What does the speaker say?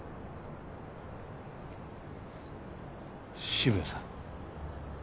渋谷さん